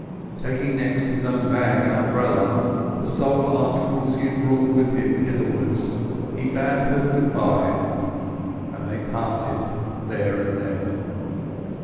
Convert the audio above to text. Taking next his own bag and umbrella—the sole articles he had brought with him hitherwards—he bade her goodbye; and they parted there and then.